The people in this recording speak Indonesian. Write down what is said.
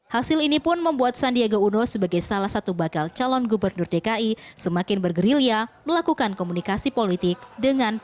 hasil ini pun membuat sandiaga uno sebagai salah satu bakal calon gubernur dki semakin bergerilya melakukan komunikasi politik dengan p tiga